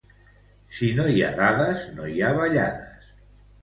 Si no hi ha dades, no hi ha ballades.